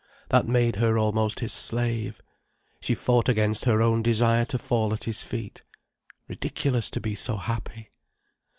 That made her almost his slave. She fought against her own desire to fall at his feet. Ridiculous to be so happy.